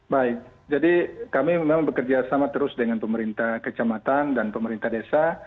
baik jadi kami memang bekerja sama terus dengan pemerintah kecamatan dan pemerintah desa